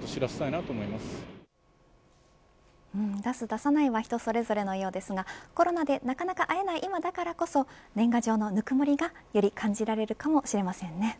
出す、出さないは人それぞれのようですがコロナでなかなか会えない今だからこそ年賀状のぬくもりがより感じられるかもしれませんね。